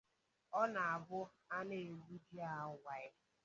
Ọ na-abụ a na-egbu ji awaị